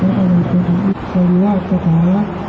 หลุมเข้าจังในเมืองข้างหลังนึง